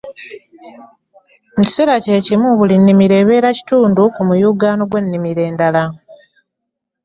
Mu kiseera kye kimu buli nnimiro ebeera kitundu ku muyungagano gw’ennimiro endala.